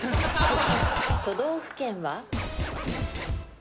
都道府県は？